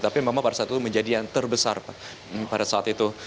tapi memang pada saat itu menjadi yang terbesar pada saat itu